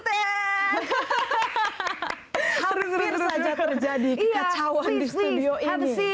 harus biar saja terjadi kekacauan di studio ini